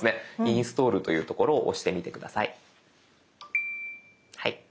インストールというところを押してみて下さい。